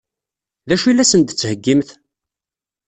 D acu i la sen-d-tettheggimt?